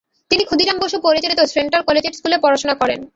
তিনি ক্ষুদিরাম বসু পরিচালিত central collegiate স্কুলে পড়াশোনা করেন।